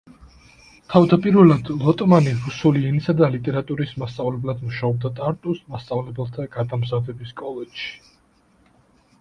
თავდაპირველად, ლოტმანი რუსული ენისა და ლიტერატურის მასწავლებლად მუშაობდა ტარტუს მასწავლებელთა გადამზადების კოლეჯში.